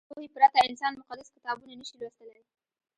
له پوهې پرته انسان مقدس کتابونه نه شي لوستلی.